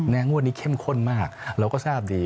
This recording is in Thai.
งวดนี้เข้มข้นมากเราก็ทราบดี